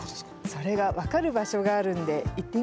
それが分かる場所があるんで行ってみましょうか。